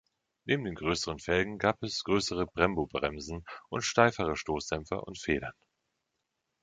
Neben den größeren Felgen gab es größere Brembo-Bremsen und steifere Stoßdämpfer und Federn.